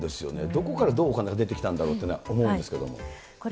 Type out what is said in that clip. どこからどうお金が出てきたんだろうと思うんですけれども。